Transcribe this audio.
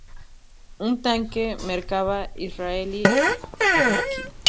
Un tanque Merkava israelí, Mk.